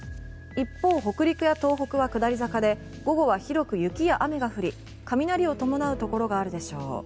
一方、北陸や東北は下り坂で午後は広く雨や雪が降り雷を伴うところがあるでしょう。